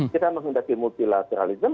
kita menghendaki multilateralism